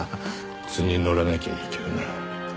図に乗らなきゃいいけどな。